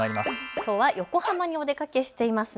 きょうは横浜にお出かけしていますね。